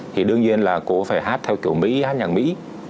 thì đương nhiên là cô phải hát theo kiểu mỹ hát nhạc mỹ